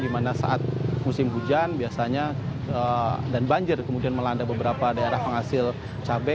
di mana saat musim hujan biasanya dan banjir kemudian melanda beberapa daerah penghasil cabai